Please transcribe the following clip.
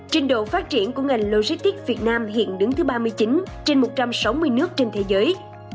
trình độ phát triển của ngành logistics việt nam hiện đứng thứ ba mươi chín trên một trăm sáu mươi nước trên thế giới